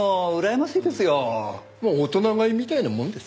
まあ大人買いみたいなもんです。